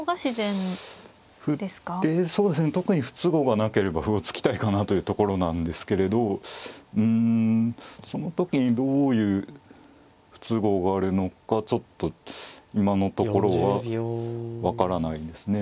特に不都合がなければ歩を突きたいかなというところなんですけれどうんその時にどういう不都合があるのかちょっと今のところは分からないですね。